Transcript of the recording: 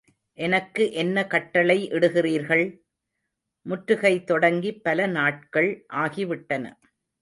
எனக்கு என்ன கட்டளை இடுகிறீர்கள்? முற்றுகை தொடங்கிப் பல நாட்கள் ஆகிவிட்டன.